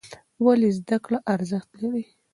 ولې زده کړه ارزښت لري؟